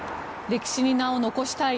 歴史に名を残したい。